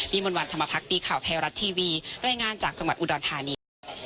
มนต์วันธรรมพักดีข่าวไทยรัฐทีวีรายงานจากจังหวัดอุดรธานีค่ะ